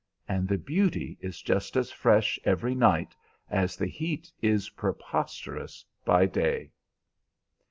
And the beauty is just as fresh every night as the heat is preposterous by day."